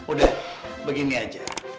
udah begini aja